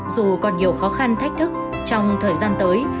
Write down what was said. dù còn nhiều khó khăn thách thức trong thời gian tới